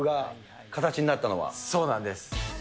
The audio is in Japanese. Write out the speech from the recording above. そうなんです。